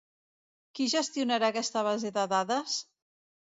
Qui gestionarà aquesta base de dades?